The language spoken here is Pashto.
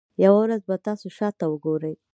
یوه ورځ به تاسو شاته وګورئ.